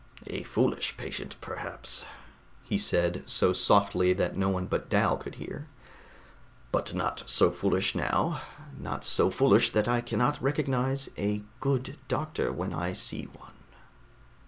"A foolish patient, perhaps," he said, so softly that no one but Dal could hear, "but not so foolish now, not so foolish that I cannot recognize a good doctor when I see one."